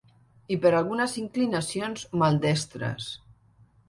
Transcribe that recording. I per a algunes inclinacions maldestres.